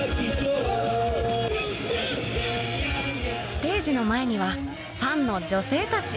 ステージの前にはファンの女性たち